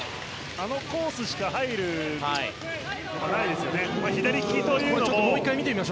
あのコースしか入らないですよね。